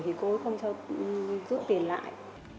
thì cô ấy không giữ tiền lại